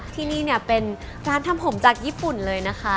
ที่นี่เนี่ยเป็นร้านทำผมจากญี่ปุ่นเลยนะคะ